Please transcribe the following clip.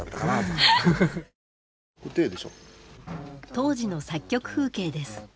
当時の作曲風景です。